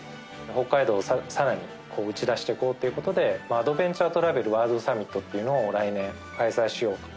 北海道をさらに打ち出していこうということで、アドベンチャートラベルワールドサミットというのを来年、開催しようと。